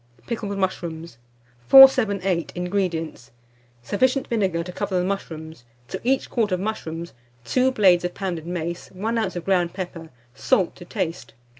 PICKLED MUSHROOMS. 478. INGREDIENTS. Sufficient vinegar to cover the mushrooms; to each quart of mushrooms, 2 blades of pounded mace, 1 oz. of ground pepper, salt to taste.